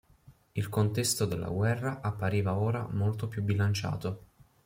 Il contesto della guerra appariva ora molto più bilanciato.